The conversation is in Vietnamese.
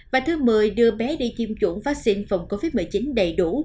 và thứ mười đưa bé đi tiêm chủng vaccine phòng covid một mươi chín đầy đủ